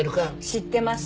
知ってます。